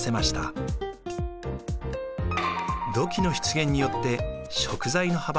土器の出現によって食材の幅が広がりました。